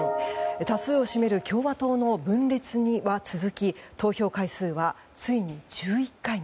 多数を占める共和党の分裂は続き投票回数はついに１１回に。